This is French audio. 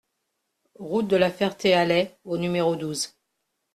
Route de la Ferté-Alais au numéro douze